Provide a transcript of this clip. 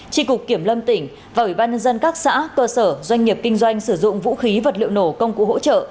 tri cục kiểm lâm tỉnh và ủy ban nhân dân các xã cơ sở doanh nghiệp kinh doanh sử dụng vũ khí vật liệu nổ công cụ hỗ trợ